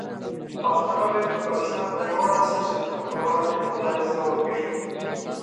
پښتانه باید د پاکستان د ناوړه سیاستونو پر وړاندې مبارزه وکړي.